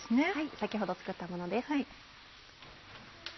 先ほど作ったものです。